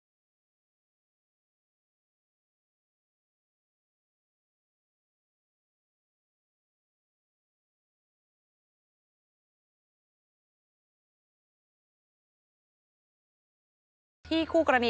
โปรดติดตามต่อไป